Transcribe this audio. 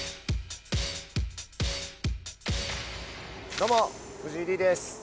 どうも藤井Ｄです